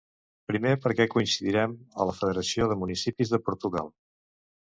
Primer perquè coincidírem a la Federació de Municipis de Portugal.